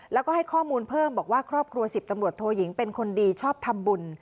แล้วก็ให้ข้อมูลเพิ่มบอกว่าครอบครัว๑๐ตำรวจโทยิงเป็นคนดีชอบทำบุญ